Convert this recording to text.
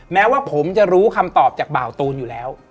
แม้ว่าผมจะรู้คำตอบจากบ่าวตูนอยู่แล้ว